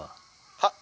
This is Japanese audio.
「はっ」。